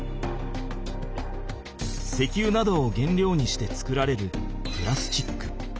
石油などを原料にして作られるプラスチック。